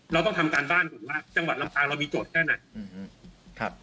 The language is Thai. เราต้องทำการบ้านหรือว่าจังหวัดลำปางเรามีโจทย์แค่ไหนอืมครับ